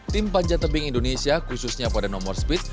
tim panjat tebing indonesia khususnya pada nomor speed